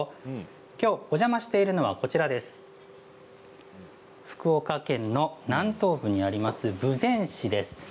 きょう、お邪魔しているのが福岡県の南東部にあります豊前市です。